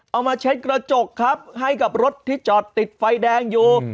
มาเช็ดกระจกครับให้กับรถที่จอดติดไฟแดงอยู่